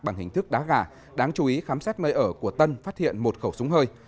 bằng hình thức đá gà đáng chú ý khám xét nơi ở của tân phát hiện một khẩu súng hơi